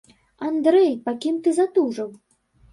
Андрэй, па кім ты затужыў?